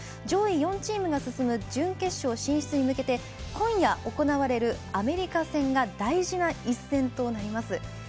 上位４チームが進む準決勝進出に向けて今夜行われるアメリカ戦が大事な一戦となります。